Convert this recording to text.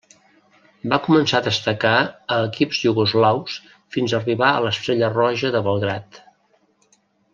Va començar a destacar a equips iugoslaus fins a arribar a l'Estrella Roja de Belgrad.